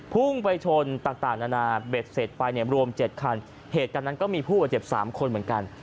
พุ่งไปชนต่างนานาเบรกเสร็จไปรวม๗คันเหตุการณ์นั้นก็มีผู้เจ็บ๓คนเหมือนกัน